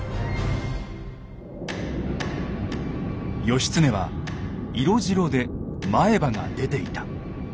義経は色白で前歯が出ていた。